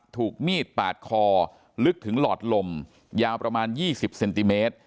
ถูกมีดปาดคอลึกถึงหลอดลมยาวประมาณ๒๐เซนติเมตร